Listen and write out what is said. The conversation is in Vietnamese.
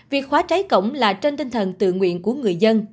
việc khóa cháy cổng là trên tinh thần tự nguyện của người dân